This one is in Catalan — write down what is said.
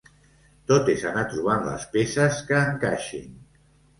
Tot és anar trobant les peces que encaixin.